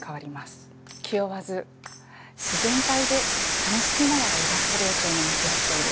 気負わず自然体で楽しみながらイラストレーションに向き合っている。